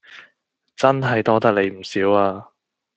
真係多得你唔少啊